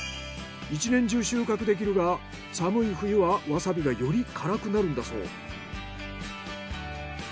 １年中収穫できるが寒い冬はわさびがより辛くなるんだそう。